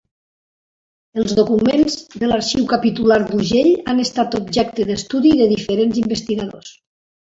Els documents de l'Arxiu Capitular d'Urgell han estat objecte d'estudi de diferents investigadors.